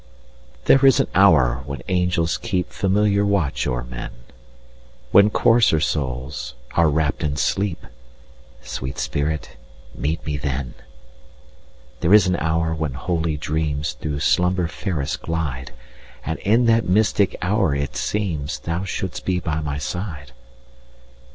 There is an hour when angels keepFamiliar watch o'er men, When coarser souls are wrapp'd in sleep—Sweet spirit, meet me then! There is an hour when holy dreamsThrough slumber fairest glide; And in that mystic hour it seemsThou shouldst be by my side.